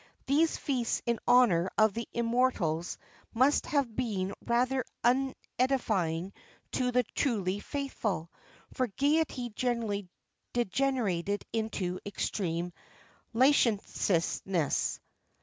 These feasts in honour of the immortals must have been rather unedifying to the truly faithful, for gaiety generally degenerated into extreme licentiousness.